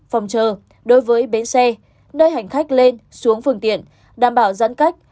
phòng chờ đối với bến xe nơi hành khách lên xuống phương tiện đảm bảo giãn cách